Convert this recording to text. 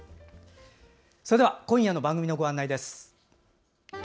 それでは今夜の番組のご案内です。